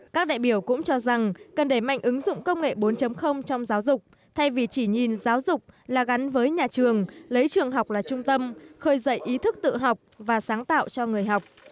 các đại biểu cũng cho rằng cần đẩy mạnh ứng dụng công nghệ bốn trong giáo dục thay vì chỉ nhìn giáo dục là gắn với nhà trường lấy trường học là trung tâm khơi dậy ý thức tự học và sáng tạo cho người học